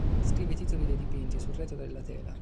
Scrive i titoli dei dipinti sul retro della tela.